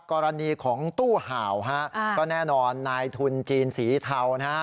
กรณีของตู้ห่าวฮะก็แน่นอนนายทุนจีนสีเทานะฮะ